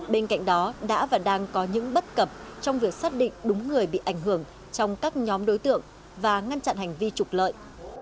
bên cạnh đó đã và đang có những bất cập trong việc xác định đúng người bị ảnh hưởng trong các nhóm đối tượng và ngăn chặn hành vi trục lợi